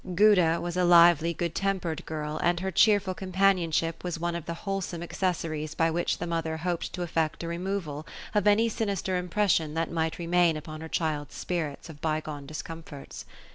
Guda was a lively, good tempered girl ; and her cheerful companionship was one of the wholesome accessories by which the mother hoped to effect a removal of any sinister impression that might remain upon her child's spirits of byegone discomforts.